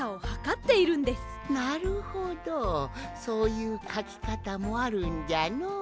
そういうかきかたもあるんじゃのう。